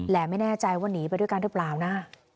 และไม่แน่ใจว่าหนีไปด้วยกันหรือเปล่านะ